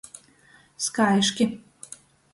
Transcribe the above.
Skaiški.